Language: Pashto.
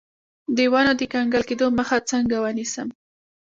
د ونو د کنګل کیدو مخه څنګه ونیسم؟